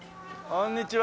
こんにちは。